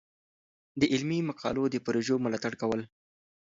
د علمي مقالو د پروژو ملاتړ کول.